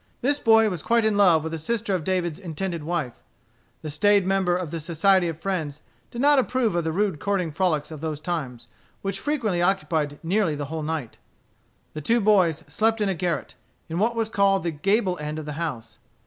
This boy was quite in love with a sister of David's intended wife. The staid member of the Society of Friends did not approve of the rude courting frolics of those times, which frequently occupied nearly the whole night. The two boys slept in a garret, in what was called the gable end of the house.